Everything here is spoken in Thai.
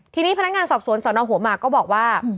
ทีนี้พนักงานสอบสวนสอนอาหวงหัวมาก็บอกว่า